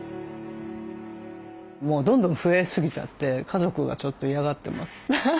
もうどんどん増えすぎちゃって家族がちょっと嫌がってます。